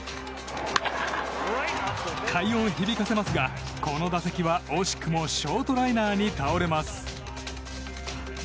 快音響かせますがこの打席は惜しくもショートライナーに倒れます。